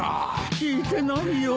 聞いてないよ。